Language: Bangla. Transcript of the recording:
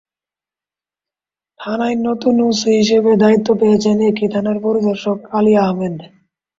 থানায় নতুন ওসি হিসেবে দায়িত্ব পেয়েছেন একই থানার পরিদর্শক আলী আহমেদ।